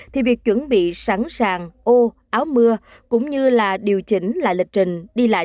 thì việc chuẩn bị sẵn sàng ô áo mưa cũng như là điều chỉnh lại lịch trình đi lại